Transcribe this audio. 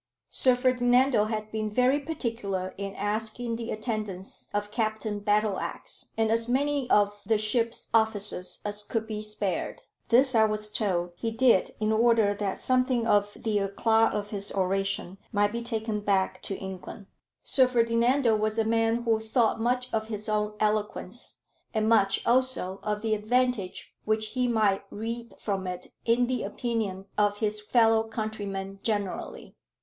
Sir Ferdinando had been very particular in asking the attendance of Captain Battleax, and as many of the ship's officers as could be spared. This, I was told, he did in order that something of the éclat of his oration might be taken back to England. Sir Ferdinando was a man who thought much of his own eloquence, and much also of the advantage which he might reap from it in the opinion of his fellow countrymen generally.